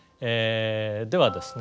ではですね